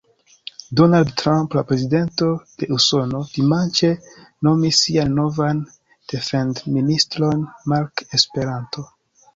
Donald Trump, la prezidento de Usono, dimanĉe nomis sian novan defendministron Mark Esperanto.